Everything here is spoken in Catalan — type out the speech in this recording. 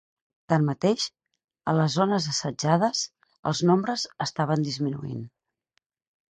Tanmateix, a les zones assetjades, els nombres estaven disminuint.